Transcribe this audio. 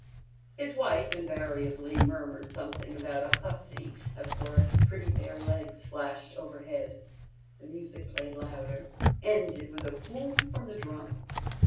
His wife invariably murmured something about a hussy as Florette's pretty bare legs flashed overhead. The music played louder, ended with a boom from the drum.